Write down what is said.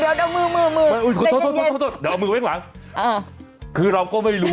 คุณเดี๋ยวเอามือมือมือเดี๋ยวเอามือไว้ข้างหลังอ่าคือเราก็ไม่รู้อ่ะ